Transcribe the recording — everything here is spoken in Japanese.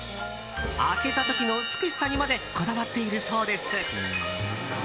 開けた時の美しさにまでこだわっているそうです。